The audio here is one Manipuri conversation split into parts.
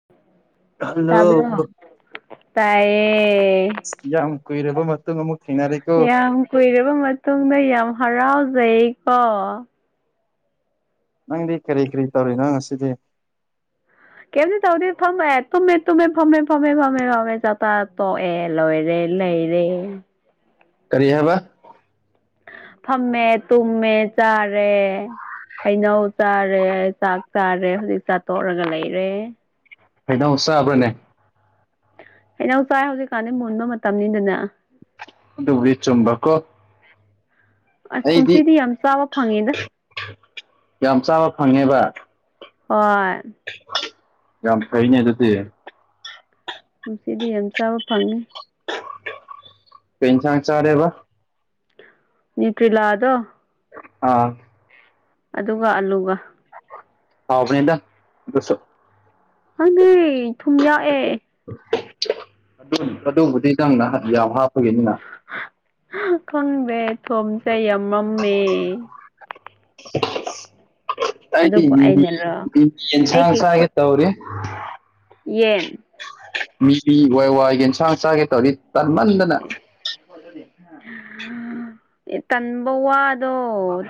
[inaudible] ꯍꯜꯂꯣ ꯇꯥꯕ꯭ꯔꯣ ꯇꯥꯏꯌꯦ ꯌꯥꯝ ꯀꯨꯏꯔꯕ ꯃꯇꯨꯡ ꯑꯃꯨꯛ ꯊꯦꯡꯅꯔꯦꯀꯣ ꯌꯥꯝ ꯀꯨꯏꯔꯕ ꯃꯇꯨꯡꯗ ꯌꯥꯝ ꯍꯔꯥꯎꯖꯩꯀꯣ ꯅꯪꯗꯤ ꯀꯔꯤ ꯀꯔꯤ ꯇꯧꯔꯤꯅ‌ꯣ ꯉꯁꯤꯗꯤ ꯀꯦꯗꯤ ꯇꯧꯗ ꯐꯃꯦ ꯇꯨꯝꯃꯦ ꯇꯨꯝꯃꯦ ꯐꯃꯦ ꯐꯃꯦ ꯐꯃꯦ ꯐꯃꯦ ꯆꯇꯥ [unintelligible] ꯑꯦ ꯂꯣꯏꯔꯦ ꯂꯩꯔꯦ ꯀꯔꯤ ꯍꯥꯏꯕ ꯐꯝꯃꯦ ꯇꯨꯝꯃꯦ ꯆꯥꯔꯦ ꯍꯩꯅꯧ ꯆꯥꯔꯦ ꯆꯥꯛ ꯆꯥꯔꯦ ꯍꯧꯖꯤꯛ ꯆꯥꯛ ꯇꯣꯛꯔꯒ ꯂꯩꯔꯦ ꯍꯩꯅꯧ ꯆꯥꯕꯔꯅꯦ ꯍꯩꯅꯧ ꯆꯥꯏ ꯍꯧꯖꯤꯛꯀꯥꯟꯗꯤ ꯃꯨꯟꯕ ꯃꯇꯝꯅꯤꯗꯅ ꯑꯗꯨꯕꯨꯗꯤ ꯆꯨꯝꯕꯀ‌ꯣ ꯑꯁ ꯀꯨꯝꯁꯤꯗꯤ ꯌꯥꯝ ꯆꯥꯕ ꯐꯪꯉꯦꯗ ꯌꯥꯝ ꯆꯥꯕ ꯐꯪꯉꯦꯕ ꯍꯣꯏ ꯌꯥꯝ ꯐꯩꯅ‌ꯦ ꯑꯗꯨꯗꯤ ꯉꯁꯤꯗꯤ ꯌꯥꯝ ꯆꯥꯕ ꯐꯪꯉ‌ꯦ ꯀꯩ ꯏꯟꯁꯥꯡ ꯆꯥꯔꯦꯕ ꯅ꯭ꯌꯨꯇ꯭ꯔꯤꯂꯥꯗꯣ ꯑꯥ ꯑꯗꯨꯒ ꯑꯂꯨꯒ ꯍꯥꯎꯕꯅ‌ꯦꯗ ꯑꯗꯨꯁꯨ ꯈꯪꯗ‌ꯦ ꯊꯨꯝ ꯌꯥꯛꯑꯦ ꯑꯗꯨ ꯑꯗꯨꯕꯨꯗꯤ ꯅꯪ ꯅ ꯌꯥꯝ ꯍꯥꯞꯄꯒꯤꯅꯤꯅ ꯈꯪꯗ‌ꯦ ꯊꯨꯝꯁ‌ꯦ ꯌꯥꯝꯃꯝꯃꯦ ꯑꯩꯗꯤ ꯑꯗꯨꯕꯨ ꯃꯤꯃꯤ ꯑꯩꯅꯔꯣ ꯃꯤꯃꯤ ꯌꯦꯟꯁꯥꯡ ꯑꯩꯒꯤ ꯆꯥꯒ‌ꯦ ꯈꯨꯠ ꯇꯧꯔꯤ [unintelligible] ꯌꯦꯟ ꯃꯤꯗꯤ ꯋꯥꯏ ꯋꯥꯏꯒꯤ ꯌꯦꯟꯁꯥꯡ ꯆꯥꯒꯦ ꯇꯧꯔꯤ ꯇꯟꯃꯟꯗꯅ ꯎꯝ [unintelligible] ꯑꯦ ꯇꯟꯕ ꯋꯥꯗꯣ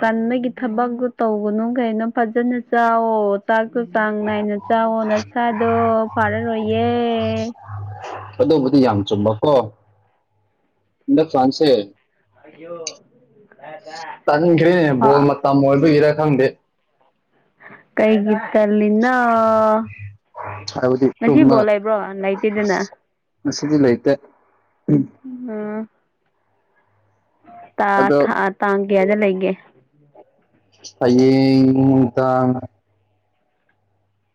ꯇꯟꯕꯒꯤ ꯊꯕꯛꯇꯣ ꯇꯧꯒꯅꯨ ꯀꯩꯅꯣ ꯐꯖꯅ ꯆꯥꯎꯋꯣ ꯆꯥꯛꯇꯣ ꯆꯥꯡ ꯅꯥꯏꯅ ꯆꯥꯎꯋ‌ꯣ ꯅꯁꯥꯗꯣ ꯐꯥꯔꯔꯣꯏꯌꯦ ꯑꯗꯨꯕꯨꯗꯤ ꯌꯥꯝ ꯆꯨꯝꯃꯀꯣ ꯍꯟꯗꯛ ꯀꯥꯟꯁꯦ [unintelligible] ꯑꯥ ꯇꯝ ꯑꫭꯏꯕꯩꯔ ꯈꯪꯗꯦ ꯀꯩꯒꯤ ꯇꯜꯂꯤꯅ‌ꯣ ꯍꯥꯏꯕꯗꯤ ꯉꯁꯤ ꯕ‌ꯣꯜ ꯇꯨꯝꯕ ꯂꯩꯕ꯭ꯔꯣ ꯂꯩꯇꯦꯗꯅ ꯉꯁꯤꯗꯤ ꯂꯩꯇꯦ ꯎꯝ ꯇꯥ ꯑꯗꯣ ꯊꯥ ꯇꯥꯡ ꯀꯌꯥꯗ ꯂꯩꯒꯦ ꯍꯌ‌ꯦꯡ ꯇꯥꯡ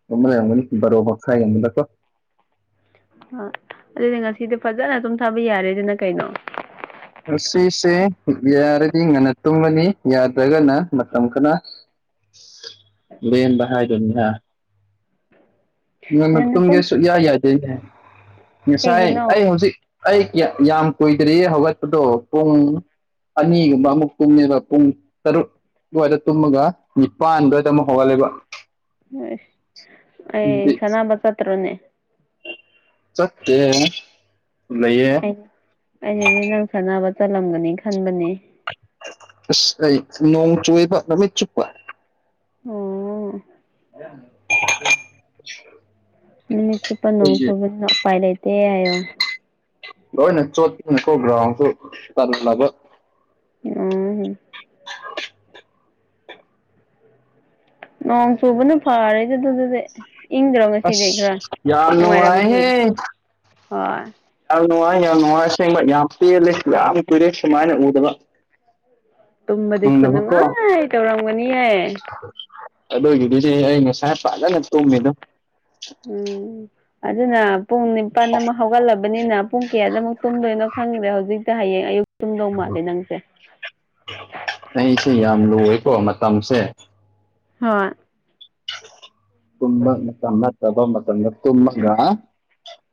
[unintelligible] ꯌꯥꯝꯒꯅꯤ ꯕꯥꯔꯣ ꯃꯈꯥꯏ ꯒꯨꯝꯕꯗꯀꯣ ꯑ ꯑꯗꯨꯗꯤ ꯉꯁꯤꯗꯤ ꯐꯖꯅ ꯇꯨꯝꯊꯕ ꯌꯥꯔꯦꯗꯅ ꯀꯩꯅꯣ ꯉꯁꯤꯁꯦ ꯌꯥꯔꯗꯤ ꯉꯟꯅ ꯇꯨꯝꯃꯅꯤ ꯌꯥꯗ꯭ꯔꯒꯅ ꯃꯇꯝ ꯈꯅ__ [unintelligible] ꯂꯦꯝꯕ ꯍꯥꯏꯗꯨꯅꯤ ꯍꯥ ꯉꯟꯅ ꯇꯨꯝꯒꯦ ꯁꯨꯛꯌꯥ ꯌꯥꯗꯦ ꯉꯁꯥꯏ ꯑꯩ ꯀꯩꯒꯤꯅꯣ ꯍꯧꯖꯤꯛ ꯑꯩ ꯌ ꯌꯥꯝ ꯀꯨꯏꯗ꯭ꯔꯤꯌꯦ ꯍꯧꯒꯠꯄꯗꯣ ꯄꯨꯡ ꯑꯅꯤꯒꯨꯝꯕ ꯑꯃꯨꯛ ꯇꯨꯝꯃ‌ꯦꯕ ꯄꯨꯡ ꯇꯔꯨꯛ ꯑꯗꯨꯋꯥꯏꯗ ꯇꯨꯝꯃꯒ ꯅꯤꯄꯥꯟꯗ ꯗꯨꯝ ꯍꯧꯒꯠꯂꯦꯕ ꯑꯦꯁ ꯑꯩ ꯑꯗꯨꯗꯤ ꯁꯅꯥꯕ ꯆꯠꯇ꯭ꯔꯥꯅꯦ ꯆꯠꯇꯦ ꯂꯩꯌꯦ ꯑꯩ ꯑꯩꯅꯗꯤ ꯅꯪ ꯁꯥꯟꯅꯕ ꯆꯠꯂꯝꯒꯅꯤ ꯈꯟꯕꯅꯦ ꯑꯁ ꯑꯩ ꯅꯣꯡ ꯆꯨꯌꯦꯕ ꯅꯨꯃꯤꯠ ꯆꯨꯞꯄ ꯑꯣ ꯅꯨꯃꯤꯠ ꯆꯨꯞꯄ ꯅꫭꯡ ꯑꯩꯈꯣꯏꯁꯦ ꯆꯨꯕꯗꯨꯗ ꯎꯄꯥꯏ ꯂꯩꯇ‌ꯦ ꯍꯥꯏꯌꫭ ꯂꯣꯏꯅ ꯆꯣꯠꯄꯅ‌ꯦꯀꯣ ꯒ꯭ꯔꯥꯎꯟꯁꯨ ꯇꯜꯂꯕ ꯎꯝ ꯅꯣꯡ ꯆꯨꯕꯅ ꯐꯔꯦꯗ ꯑꯗꯨꯕꯨꯗꯤ ꯏꯪꯗ꯭ꯔꯣ ꯉꯁꯤꯗꯤ ꯑꯁ ꯈꯔ ꯌꯥꯝ ꯅꯨꯡꯉꯥꯏꯍꯦ ꯅꯨꯡꯉꯥꯏꯔꯝꯒꯅꯤ ꯍꯣꯏ ꯑꯧ ꯅꯨꯡꯉꯥꯏ ꯌꯥꯝ ꯅꯨꯡꯉꯥꯏ ꯑꯁꯦꯡꯕ ꯌꯥꯝ ꯄ‌ꯦꯜꯂ‌ꯦ ꯌꯥꯝ ꯀꯨꯏꯔ‌ꯦ ꯁꯨꯃꯥꯏꯅ ꯎꯗꯕ ꯇꯨꯝꯕꯗꯤ ꯈꯨꯠ ꯐꯪꯗꯕꯀꯣ ꯅꯨꯡꯉꯥꯏ ꯇꯧꯔꯝꯒꯅꯤꯌꯦ ꯑꯗꯨꯒꯤꯗꯤꯅꯦꯍ ꯑꯩ ꯉꯁꯥꯏ ꯐꯖꯅ ꯇꯨꯝꯃꯦ ꯑꯗꯨꯝ ꯎꯝ ꯑꯗꯨꯅ ꯄꯨꯡ ꯅꯤꯄꯥꯟꯗ ꯑꯃꯨꯛ ꯍꯧꯒꯠꯂꯕꯅꯤꯅ ꯄꯨꯡ ꯀꯌꯥꯗꯃꯨꯛ ꯇꯨꯝꯗꯣꯏꯅꯣ ꯈꯪꯗ꯭ꯔꯦ ꯍꯧꯖꯤꯛꯇ ꯍꯌꯦꯡ ꯑꯌꯨꯛ ꯇꯨꯝꯗꯧ ꯃꯥꯜꯂꯦ ꯅꯪꯁꯦ ꯑꯩꯁꯦ ꯌꯥꯝ ꯂꯣꯏꯀꯣ ꯃꯇꯝꯁꯦ ꯍꯣꯏ ꯇꯨꯝꯕ ꯃꯇꯝ ꯅꯠꯇꯕꯥ ꯃꯇꯝꯗ ꯇꯨꯝꯃꯒ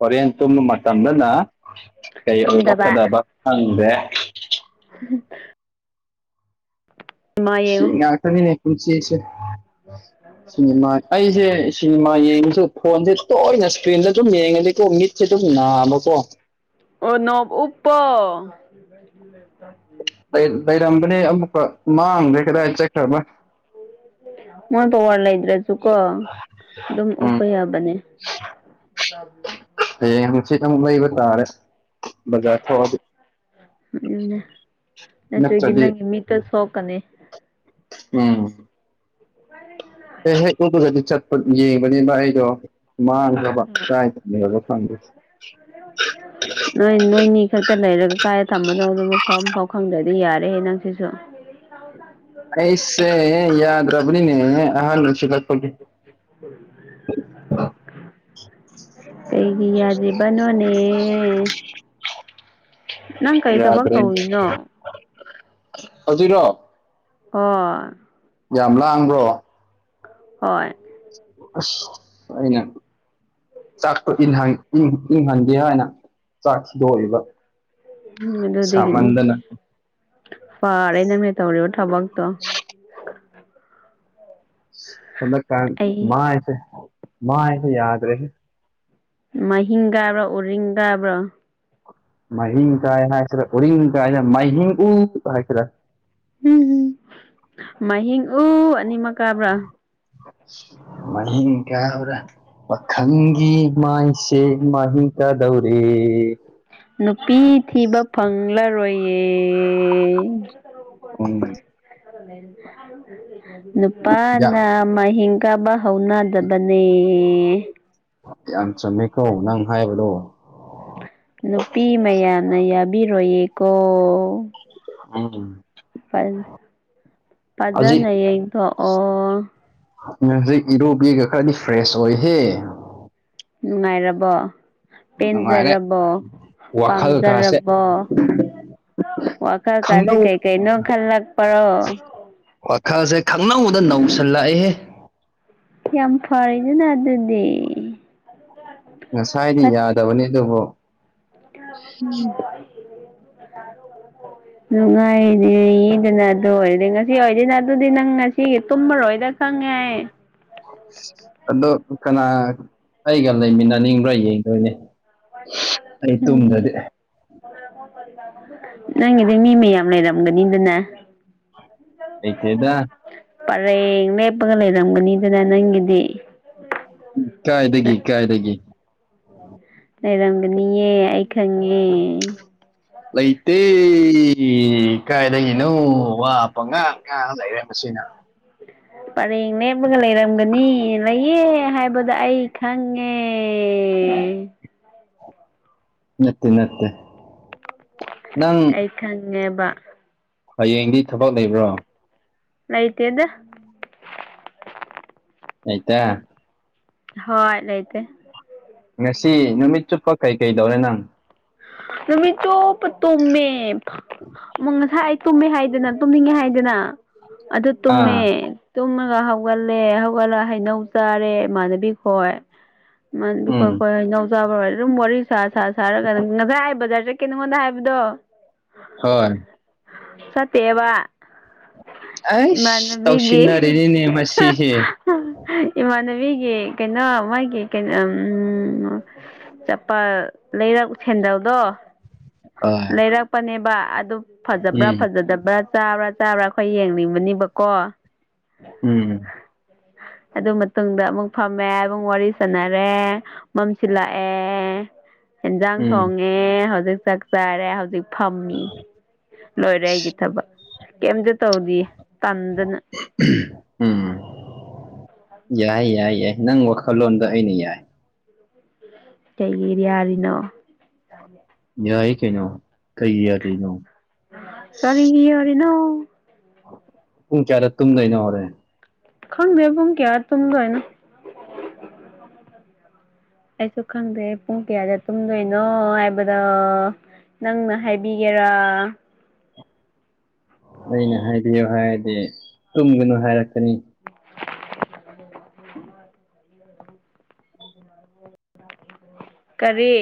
ꯍꯣꯔꯦꯟ ꯇꯨꯝꯕ ꯃꯇꯝꯗꯅ ꯀꯩ ꯑꯣꯏꯔꯛꯀꯗꯕ ꯇꯨꯝꯗꯕ ꯈꯪꯗꯦ [unintelligible] ꯁꯤꯃꯥ ꯁꯤ ꯌꯦꯡꯉꯣ ꯉꯥꯛꯇꯅꯤꯅꯦ ꯄꯨꯟꯁꯤꯁ‌ꯦ ꯁꯤꯅꯤꯃꯥ ꯑꯩꯁ‌ꯦ ꯁꯤꯅꯤꯃꯥ ꯌꯦꯡꯉꯁꯨ ꯐꯣꯟꯁꯦ ꯇꯣꯏꯅ ꯏꯁꯀ꯭ꯔꯤꯟꯗ ꯑꯗꯨꯝ ꯌꯦꯡꯉꯗꯤꯀꯣ ꯃꯤꯠꯁꯦ ꯗꯨꯝ ꯅꯥꯕꯀꯣ ꯑꯣꯅꯣꯞ ꯎꯨꯞꯄꯣ ꯂꯩ ꯂꯩꯔꯝꯕꯅꯦ ꯑꯃꯨꯛꯀ ꯃꯥꯡꯒ꯭ꯔꯦ ꯀꯗꯥꯏ ꯆꯠꯈ꯭ꯔꯕ ꯃꯣꯟ ꯄꯋꯥꯔ ꯂꯩꯇ꯭ꯔꯁꯨꯀꯣ ꯑꯗꯨꯝ ꯎꯞꯄ ꯌꯥꯕꯅꯦ ꯍꯌ‌ꯦꯡ ꯍꯡꯆꯤꯠ ꯑꯃꯨꯛ ꯂꯩꯩꯕ ꯇꯥꯔꯦ ꯕꯖꯥꯔ ꯊꯣꯛꯑꯗꯤ ꯑꯗꯨꯅꯦ ꯅꯠꯇ꯭ꯔꯗꯤ ꯀ ꯁꯣꯛꯀꯅꯤ ꯎꯝ [unintelligible] ꯑꯩ ꯍꯦꯛ ꯎꯞꯄꯒꯗꯤ ꯆꯠꯄ ꯌꯦꯡꯕꯅꯦꯅ ꯑꯩꯗꯣ ꯃꯥꯡꯈ꯭ꯔꯕ ꯀꯥꯏ ꯊꯝꯒ꯭ꯔꯕꯅꯣ ꯈꯪꯗ‌ꯦ [unintelligible] ꯅꯣꯏ ꯅꯣꯏꯅꯤ ꯈꯛꯇ ꯂꯩꯔꯒ ꯀꯥꯏꯗ ꯊꯝꯕꯅꯣꯗꯨ ꯃꯐꯝ ꯐꯥꯎ ꯈꯪꯗ꯭ꯔꯗꯤ ꯌꯥꯔꯦꯍꯦ ꯅꯪꯁꯤꯁꯨ [unintelligible] ꯑꯩꯁꯦ ꯌꯥꯗ꯭ꯔꯕꯅꯤꯅꯦ ꯑꯍꯥꯟꯕꯁꯨ ꯅꯠ__ [unintelligible] ꯀꯩꯒꯤ ꯌꯥꯗꯔꯤꯕꯅꯣꯅꯦ ꯅꯪ ꯀꯩ ꯊꯕꯛ ꯌꯥꯗ꯭ꯔꯦ ꯇꯧꯔꯤꯅꯣ ꯍꯧꯖꯤꯛꯔꯣ ꯍꯣꯏ ꯌꯥꯝ ꯂꯥꯡꯕ꯭ꯔꯣ ꯍꯣꯏ ꯑꯁ ꯑꯩꯅ ꯆꯥꯛꯇ ꯏꯟ ꯏꯪꯍꯟꯒ‌ꯦ ꯍꯥꯏꯅ ꯆꯥꯛ ꯊꯗꯣꯛꯔꯤꯕ ꯎꯝ ꯑꯗꯨꯗꯒꯤꯅꯤ ꯐꯔꯦ ꯅꯪꯅꯦ ꯇꯧꯔꯤꯕ ꯊꯕꯛꯇꯣ [inaudible] ꯍꯗ ꯀ ꯑꯩ ꯃꯥꯁꯦ ꯃꯥ ꯑꯩꯁꯦ ꯌꯥꯗ ꯔꯦꯁꯤ ꯃꯥꯍꯤꯡꯥꯕ꯭ꯔꯥ ꯎꯔꯤꯡ ꯗꯥꯕ꯭ꯔꯥ ꯃꯍꯥꯏꯍꯤꯡ ꯀꯥꯏ ꯍꯥꯏꯁꯤꯔꯦ ꯎꯔꯤꯡ ꯀꯥꯏꯁꯤꯅ ꯃꯍꯥꯏꯍꯤꯡ ꯎ ꯍꯥꯏꯁꯤꯔꯦ ꯎꯝꯝ ꯃꯍꯤꯡ ꯎ ꯑꯅꯤꯃꯛ ꯀꯥꯕ꯭ꯔꯥ ꯃꯅꯤ ꯀꯌꯥ ꯍꯧꯔꯥ ꯄꯈꯪꯒꯤꯤ ꯃꯁꯦ ꯃꯥꯍꯤ ꯀꯗꯧꯔꯤꯦ ꯅꯨꯄꯤ ꯊꯤꯕ ꯐꯪꯂꯔꯣꯏꯌꯦ ꯎꯝ ꯌꯥꯝ ꯅꯨꯄꯥꯅ ꯃꯒꯥꯕ ꯍꯧꯅꯥ ꯑꯗꯨꯗꯅꯤ ꯌꯥꯝ ꯆꯨꯝꯃꯦꯀꯣ ꯅꯪ ꯍꯥꯏꯕꯗꯣ ꯅꯨꯄꯤ ꯃꯌꯥꯝꯅ ꯌꯥꯕꯤꯔꯣꯏꯌꯦꯀꯣ ꯑ ꯐꯖꯅꯌꯦꯡꯊꯛ ꯑꯣ ꯎ ꯍꯧꯖꯤꯛ ꯏꯔꯣꯕꯤꯒ ꯈꯔꯗꯤ ꯐ꯭ꯔꯦꯁ ꯑꯣꯏꯍꯦ ꯅꯨꯡꯉꯥꯏꯔꯕꯣ ꯅꯨꯡꯉꯥꯏꯔꯦ ꯄꯦꯟꯖꯔꯕꯣ ꯋꯥꯈꯜ ꯀꯥꯁꯦ ꯄꯥꯝꯖꯔꯕꯣ ꯋꯥꯈꯜ ꯀꯥꯁꯦ ꯈꯪꯅꯧ ꯀꯩ ꯀꯩꯅꯣ ꯈꯜꯂꯛꯄꯔꯣ ꯋꯥꯈꯜꯁꯦ ꯈꯪꯅꯧꯗ ꯅꯧꯁꯜꯂꯛꯏꯍꯦ ꯌꯥꯝ ꯐꯔꯦꯗꯨꯅ ꯑꯗꯨꯗꯤ ꯉꯁꯥꯏꯗꯤ ꯐꯠ ꯌꯥꯗꯕꯅꯤ ꯑꯗꯨꯕꯨ ꯎꯝ ꯎ ꯅꯨꯡꯉꯥꯏꯔꯤꯦꯗꯅ ꯑꯗꯨ ꯑꯣꯏꯔꯗꯤ ꯉꯁꯤ ꯑꯣꯏꯔꯗꯤꯅꯦ ꯑꯗꯨꯗꯤ ꯅꯪ ꯉꯁꯤꯒꯤ ꯇꯨꯝꯃꯔꯣꯏꯗ ꯁꯉꯥꯏ ꯑꯗꯣ ꯀꯅꯥ ꯑꯩꯒ ꯂꯩꯃꯤꯟꯅꯅꯤꯡꯕ꯭ꯔꯥ ꯌꯦꯡꯗꯣꯏꯅꯦ ꯑꯩ ꯎꯝ ꯇꯨꯝꯗꯗꯤ ꯅꯪꯒꯤꯗꯤ ꯃꯤ ꯃꯌꯥꯝ ꯂꯩꯔꯝꯒꯅꯤꯗꯅꯦ ꯂꯩꯇꯦꯗ ꯄꯔꯦꯡ ꯂꯦꯞꯄꯒ ꯂꯩꯔꯝꯒꯅꯤꯗꯅ ꯅꯪꯒꯤꯗꯤ ꯀꯥꯏꯗꯒꯤ ꯀꯥꯏꯗꯒꯤꯦ ꯍ ꯂꯩꯔꯝꯒꯅꯤꯌꯦ ꯑꯩ ꯈꯪꯉꯦ ꯂꯩꯇꯦ ꯀꯥꯏꯗꯒꯤꯅꯣ ꯋꯥ ꯄꯉꯥꯡ ꯉꯥꯡ ꯂꯩꯔꯦ ꯃꯁꯤꯅ ꯄꯔꯦꯡ ꯂꯦꯞꯂꯒ ꯂꯩꯔꯝꯒꯅꯤ ꯂꯩꯌꯦ ꯍꯥꯏꯕꯗ ꯑꯩ ꯈꯪꯉꯦ ꯅꯠꯇꯦ ꯅꯠꯇꯦ ꯅꯪ ꯑꯩ ꯈꯪꯉꯦꯕ ꯍꯌꯦꯡꯗꯤ ꯊꯕꯛ ꯂꯩꯕ꯭ꯔꯣ ꯂꯩꯇꯦꯗ ꯑꯇ ꯍꯣꯏ ꯂꯩꯇ ꯉꯁꯤ ꯅꯨꯃꯤꯠ ꯆꯨꯞꯄ ꯀꯩꯀꯩꯗꯧꯔꯦ ꯅꯪ ꯅꯨꯃꯤ ꯆꯣꯞꯄ ꯇꯣꯃꯦ ꯑꯃ ꯉꯁꯥꯏ ꯑꯩ ꯇꯨꯝꯃꯦ ꯍꯥꯏꯗꯅ ꯇꯨꯝꯅꯤꯡꯉꯦ ꯍꯥꯏꯗꯅ ꯑꯗꯨ ꯇꯨꯝꯃꯦ ꯑꯥ ꯇꯨꯝꯃꯒ ꯍꯧꯒꯠꯂꯦ ꯍꯧꯒꯠꯂ ꯍꯩꯅꯧ ꯆꯥꯔꯦ ꯏꯃꯥꯟꯅꯕꯤ ꯈꯣꯏ ꯃꯗꯤꯀꯣꯏ ꯎꯝ ꯀꯣꯏ ꯍꯅꯥꯎꯖꯥꯕ ꯑꯗꯨꯝ ꯋꯥꯔꯤ ꯁꯥ ꯁꯥ ꯁꯥꯔꯒ ꯉꯁꯥꯏ ꯕꯖꯥꯔ ꯀꯩꯅ ꯃꯗ ꯍꯥꯏꯕꯗꯣ ꯍꯣꯏ ꯁꯠꯇꯦꯕ ꯑꯩꯁ ꯏꯃꯅꯕꯤꯒꯤ ꯇꯧꯁꯤꯟꯅꯔꯤꯅꯤꯅꯦ ꯃꯁꯤꯁꯦ ꯏꯃꯥꯟꯅꯕꯤꯒꯤ ꯀꯩꯅꯣ ꯃꯥꯒꯤ ꯀꯩꯅꯣ ꯎ ꯆꯞꯄ ꯂꯩꯔ ꯁꯦꯟꯗꯕꯗꯣ ꯍꯣꯏ ꯂꯩꯔꯛꯄꯅꯦꯕ ꯑꯗꯨ ꯐꯖꯕ꯭ꯔꯥ ꯎꯝ ꯐꯖꯗꯕ꯭ꯔꯥ ꯆꯥꯕ꯭ꯔꯥ ꯆꯥꯕ꯭ꯔꯥ ꯑꯩꯈꯣꯏ ꯌꯦꯡꯅꯤꯡꯕꯅꯤꯕꯀꯣ ꯎꯝ ꯑꯗꯨ ꯃꯇꯨꯡꯗ ꯑꯃꯨꯛ ꯐꯝꯃꯦ ꯑꯃꯨꯛ ꯋꯥꯔꯤ ꯁꯥꯟꯅꯔꯦ ꯃꯝꯁꯤꯜꯂꯛꯑꯦ ꯏꯟꯖꯥꯡ ꯎꯝ ꯊꯣꯡꯉꯦ ꯍꯧꯖꯤꯛ ꯆꯥꯛ ꯆꯥꯔꯦ ꯍꯧꯖꯤꯛ ꯐꯝꯃꯤ ꯂꯣꯏꯔꯦ ꯑꯩꯒꯤ ꯊꯕꯛ ꯀꯩꯝꯇ ꯇꯧꯗ ꯇꯟꯗꯅ ꯎꯝ ꯌꯥꯏ ꯌꯥꯏ ꯌꯥꯏ ꯅꯪ ꯋꯥꯈꯜꯂꯣꯟꯗ ꯑꯩꯅ ꯌꯥꯏ ꯎ ꯀꯩꯒꯤꯔꯤ ꯌꯥꯔꯤꯅꯣ ꯇꯦ ꯌꯥꯏ ꯀꯩꯅꯣ ꯀꯩꯒꯤꯌꯥꯗꯩꯅꯣ ꯌꯥꯔꯦꯅꯣ ꯄꯨꯡ ꯀꯌꯥꯗ ꯇꯨꯝꯗꯩꯅ ꯍꯧꯔꯦ ꯈꯪꯗ꯭ꯔꯦ ꯄꯨꯡ ꯀꯌꯥ ꯇꯨꯝꯗꯣꯏ ꯅꯣ ꯑꯩꯁꯨ ꯈꯪꯗꯦ ꯄꯨꯡ ꯀꯌꯥꯗ ꯇꯨꯝꯗꯣꯏꯅꯣ ꯍꯥꯏꯕꯗ ꯅꯪꯅ ꯍꯥꯏꯕꯤꯒꯦꯔꯥ ꯑꯩꯅ ꯍꯥꯏꯕꯤꯌꯨ ꯍꯥꯏꯔꯗꯤ ꯇꯨꯝꯒꯅꯨ ꯍꯥꯏꯔꯛꯀꯅꯤ ꯀꯔꯤ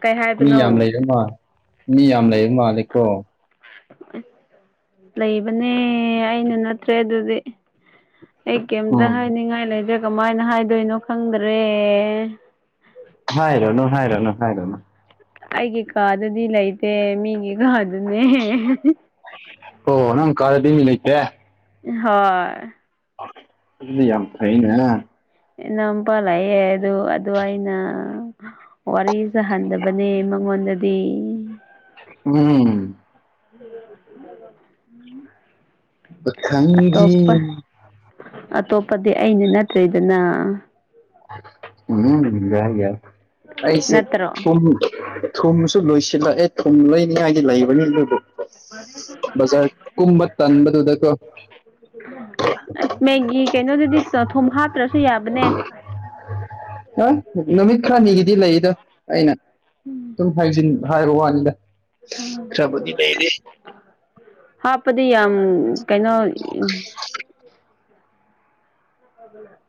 ꯀꯩ ꯃꯤ ꯌꯥꯝ ꯍꯥꯏꯕꯅꯣ ꯂꯩꯔꯦ ꯃꯥꯂꯦ ꯃꯤ ꯌꯥꯝ ꯂꯩꯔꯦ ꯃꯥꯜꯂꯦꯀꯣ ꯑ ꯂꯩꯕꯅꯦ ꯑꯩꯅ ꯅꯠꯇ꯭ꯔꯦ ꯑꯗꯨꯗꯤ ꯑꯩ ꯀꯩꯝꯇ ꯎꯝ ꯍꯥꯏꯅꯤꯡꯉꯥꯏ ꯂꯩꯇ꯭ꯔꯦ ꯀꯃꯥꯏꯅ ꯍꯥꯏꯗꯣꯏꯅꯣ ꯈꯪꯗ꯭ꯔꯦ ꯍꯥꯏꯔꯣ ꯍꯥꯏꯔꯣꯅ ꯍꯥꯏꯔꯣꯅ ꯑꯩꯒꯤ ꯀꯥꯗꯨꯗꯤ ꯂꯩꯇꯦ ꯃꯤꯒꯤ ꯀꯥꯗꯨꯅꯦ ꯑꯣꯣ ꯅꯪ ꯀꯥꯗꯗꯤ ꯏ ꯂꯩꯇꯦ ꯍꯣꯏ ꯑꯗꯨꯗꯤ ꯌꯥꯝ ꯐꯩꯅꯦ ꯏꯅꯥꯎꯄꯥ ꯂꯥꯛꯑꯦ ꯑꯗꯨ ꯑꯗꯨ ꯑꯩꯅ ꯋꯥꯔꯤꯁ ꯍꯟꯗꯕ ꯃꯉꯣꯟꯗꯗꯤ ꯎꯝ ꯎꯝ ꯎꯝ ꯑ ꯈꯪꯉꯗꯤ ꯑꯇꯣꯞꯄꯗꯤ ꯑꯩꯅ ꯅꯠꯇ꯭ꯔꯔꯤꯗꯅ ꯎꯝ ꯌꯥ ꯑꯩꯁꯦ ꯅꯠꯇ꯭ꯔꯣ ꯊꯨꯝꯁꯨ ꯂꯣꯏꯁꯤꯜꯂꯛꯑꯦ ꯊꯨꯝ ꯂꯩꯣꯏꯅꯤꯡꯉꯥꯏꯒꯤ ꯂꯩꯕꯅꯤ ꯑꯗꯨꯕꯨ ꯕꯖꯥꯔ ꯀꯨꯝꯕ ꯇꯟꯕꯗꯨꯗꯀꯣ ꯑ ꯃꯦꯒꯤ ꯀꯩꯅꯣꯗꯨꯗꯤ ꯊꯨꯝ ꯍꯥꯥꯞ ꯑ ꯅꯨꯃꯤꯠ ꯈꯔꯅꯤꯒꯤꯗꯤ ꯂꯩꯗ ꯑꯩꯅ ꯑꯗꯨꯝ ꯍꯥꯏꯖꯤꯟ ꯍꯥꯏꯕ ꯋꯥꯅꯤꯗ ꯈꯔꯕꯨꯗꯤ ꯂꯩꯔ ꯍꯥꯞꯄꯗꯤ ꯌꯥꯝ ꯀꯩꯅꯣ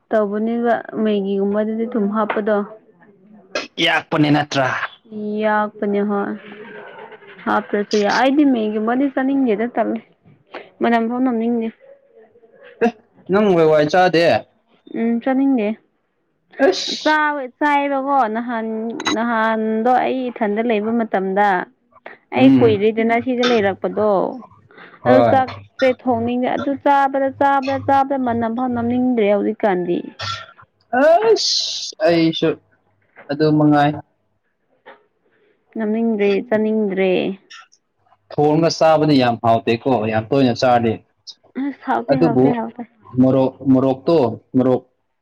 ꯇꯧꯕꯅꯦꯕ ꯃꯩꯒꯤꯒꯨꯝꯕꯗꯗꯤ ꯊꯨꯝ ꯍꯥꯞꯄꯗꯣ [unintelligible] ꯌꯥꯛꯄꯅꯤ ꯅꯠꯇ꯭ꯔꯥ ꯌꯥ ꯌꯥꯎꯄꯅꯤꯍꯣꯏ ꯍꯥ ꯄꯁꯨꯌꯥ ꯑꯩꯗꯤ ꯃꯒꯤ ꯃꯗꯤ ꯆꯅꯤꯡꯗꯦꯗ ꯇꯜꯂꯦ ꯃꯅꯝ ꯐꯥꯎ ꯅꯝꯅꯤꯡꯗꯦ ꯑꯦ ꯅꯪ ꯋꯥꯏ ꯋꯥꯏ ꯆꯥꯗꯦ ꯎꯝ ꯆꯥꯅꯤꯡꯗꯦ ꯑꯁ ꯆꯥꯕ ꯆꯥꯏꯑꯦꯕꯀꯣ ꯅꯍꯥꯟ ꯅꯍꯥꯟꯗꯣ ꯑꯩ ꯏꯊꯟꯗ ꯂꯩꯕ ꯃꯇꯝꯗ ꯑꯩ ꯎꯝ ꯀꯨꯏꯔꯗꯅ ꯁꯤꯗ ꯂꯩꯔꯛꯄꯗꯣ ꯑꯗꯨ ꯍꯣꯏ ꯆꯥꯛꯁꯦ ꯊꯣꯡꯅꯤꯡꯗ꯭ꯔꯦ ꯑꯗꯨ ꯆꯥꯕꯗ ꯆꯥꯕꯗ ꯆꯥꯕꯗ ꯃꯅꯝ ꯐꯥꯎ ꯅꯝꯅꯤꯡꯗ꯭ꯔꯦ ꯍꯧꯖꯤꯛ ꯀꯥꯟꯗꯤ ꯑꯁ ꯑꯩꯁꯨ ꯑꯗꯨ ꯃꯉꯥꯏ ꯉꯝꯅꯤꯡꯗ꯭ꯔꯦ ꯆꯥꯅꯤꯡꯗ꯭ꯔꯦ ꯊꯣꯡꯉꯒ ꯆꯥꯕꯗꯤ ꯌꯥꯝ ꯍꯥꯎꯇꯦꯀꯣ ꯌꯥꯝ ꯇꯣꯏꯅ ꯆꯥꯗꯦ ꯑꯁ ꯍꯥꯎꯇꯦ ꯑꯗꯨꯕꯨ ꯍꯥꯎꯇꯦ ꯍꯥꯎꯇꯦ ꯃꯣꯔꯣꯛ ꯃꯣꯔꯣꯛꯇꯣ ꯃꯣꯔꯣꯛ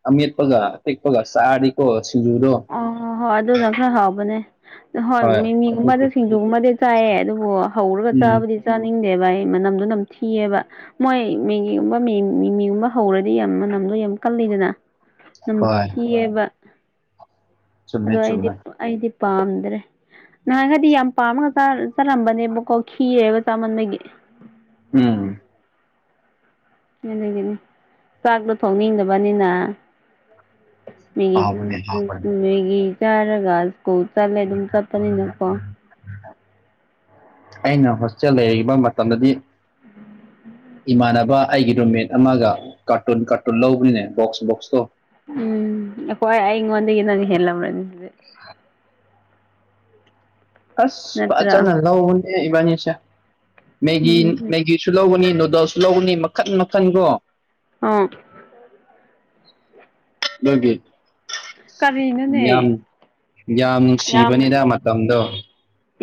ꯑꯃꯦꯠꯄꯒ ꯑꯄꯤꯛꯄꯒ ꯆꯥꯔꯗꯤꯀꯣ ꯁꯤꯡꯖꯨꯗꯣ ꯑꯣ ꯍꯣꯏ ꯑꯗꯨꯅ ꯈꯔ ꯍꯥꯎꯕꯅꯦ ꯍꯣꯏ ꯃꯤꯃꯤꯒꯨꯝꯕꯗ ꯁꯤꯡꯖꯨꯒꯨꯝꯕꯗꯤ ꯆꯥꯏꯌꯦ ꯑꯗꯨꯕꯨ ꯍꯧꯔꯒ ꯎꯝ ꯆꯥꯕꯗꯤ ꯆꯥꯅꯤꯡꯗꯦꯕ ꯑꯩ ꯃꯅꯝꯗꯣ ꯅꯝ ꯊꯤꯑꯦꯕ ꯃꯣꯏ ꯃꯦꯒꯤꯒꯨꯝꯕ ꯃꯤ ꯃꯤꯒꯨꯝꯕ ꯍꯧꯔꯗꯤ ꯌꯥꯝ ꯃꯅꯝꯗꯣ ꯌꯥꯝ ꯀꯜꯂꯤꯗꯅ ꯅꯝ ꯍꯣꯏ ꯊꯤꯑꯦꯕꯥ ꯆꯨꯝꯃꯦ ꯑꯗꯣ ꯑꯩꯗꯤ ꯆꯨꯝꯃꯦ ꯑꯩꯗꯤ ꯄꯥꯝꯗ꯭ꯔꯦ ꯅꯍꯥꯟꯒꯗꯤ ꯌꯥꯝ ꯄꯥꯝꯃꯒ ꯆꯠꯂꯝꯕꯅꯦꯕꯀꯣ ꯈꯤꯔꯦꯕ ꯆꯥꯃꯟꯕꯒꯤ ꯎꯝ ꯑꯗꯨꯒꯤꯅꯤ ꯆꯥꯛꯇꯣ ꯊꯣꯡꯅꯤꯡꯗꯕꯅꯤꯅ ꯃꯤ ꯍꯥꯎꯕꯅꯦ ꯍꯥꯎꯕꯅꯦ ꯃꯦꯒꯤ ꯆꯥꯔꯒꯥ ꯀꯣ ꯆꯠꯂꯦ ꯑꯗꯨꯝ ꯆꯠꯄꯅꯤ ꯅꯀꯣ ꯑꯩꯅ ꯍꯣꯁꯇꯦꯜ ꯂꯩꯔꯤꯕ ꯃꯇꯝꯗꯗꯤ [inaudible] ꯏꯃꯥꯟꯅꯕ ꯑꯩꯒꯤ ꯔꯨꯝꯃꯦꯠ ꯑꯃꯒ ꯀꯥꯔꯇꯨꯟ ꯀꯥꯔꯇꯨꯟ ꯂꯧꯕꯅꯤꯅꯦ ꯕꯣꯛꯁ ꯕꯣꯛꯁꯇꯣ ꯎꯝ ꯑꯀꯣꯏ ꯑꯩꯉꯣꯟꯗꯒꯤ ꯅꯪ ꯍꯦꯜꯃꯅꯤ ꯍꯖꯤꯛ ꯑꯁ ꯅꯠꯇ꯭ꯔꯥ ꯐꯖꯅꯥꯅ ꯂꯧꯕꯅꯦ ꯏꯕꯅꯤꯁꯦ ꯃꯦꯒꯤ ꯎꯝ ꯃꯦꯒꯤ ꯁꯨ ꯂꯧꯒꯅꯤ ꯅꯨꯗꯜꯁꯨ ꯂꯧꯒꯅꯤ ꯃꯈꯟ ꯃꯈꯟꯒꯣ ꯑꯣ ꯑꯗꯨꯒꯤ ꯀꯔꯤ ꯌꯥꯝ ꯌꯥꯝ ꯌꯥꯝ ꯅꯨꯡꯁꯤꯕꯅꯤꯗ ꯃꯇꯝꯗꯣ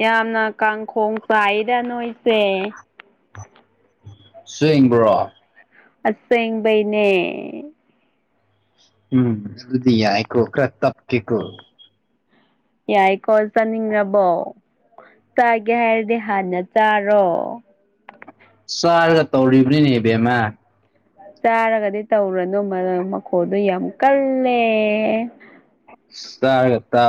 ꯌꯥꯝꯅ ꯀꯥꯡꯈꯣꯡ ꯆꯥꯏꯗ ꯅꯣꯏꯁꯦ ꯁꯦꯡꯕ꯭ꯔꯣ ꯑꯁꯦꯡꯕꯩꯅꯦ ꯎꯝ ꯑꯗꯨꯗꯤ ꯌꯥꯏ ꯀꯣ ꯈꯔ ꯇꯞꯀꯦ ꯀꯣ ꯌꯥꯏꯀꯣ ꯆꯥꯅꯤꯡꯉꯕꯣ ꯆꯥꯒꯦ ꯍꯥꯏꯔꯗꯤ ꯍꯥꯟꯅ ꯆꯥꯔꯣ ꯆꯥꯔꯒ ꯇꯧꯔꯤꯕꯅꯤꯅꯦ ꯏꯕꯦꯝꯃ ꯆꯥꯔꯒꯗꯤ ꯇꯧꯔꯅꯨ ꯃꯔꯝ ꯃꯈꯣꯜꯗꯣ ꯌꯥꯝ ꯀꯜꯂꯦ ꯆꯥꯔꯒ ꯇꯥ